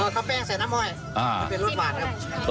ถ้าแป้งใส่น้ำอ้อยมันเป็นรสหวานครับ